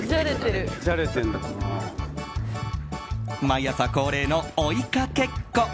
毎朝恒例の追いかけっこ。